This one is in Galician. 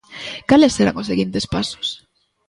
Cales serán os seguintes pasos?